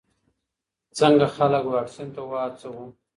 څنګه خلک واکسین ته وهڅوو؟